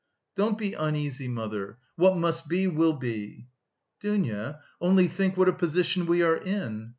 "Don't be uneasy, mother. What must be, will be." "Dounia, only think what a position we are in!